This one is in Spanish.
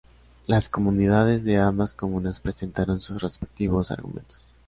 Las comunidades de ambas comunas presentaron sus respectivos argumentos.